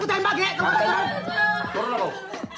ini laki panggutkan kutembaknya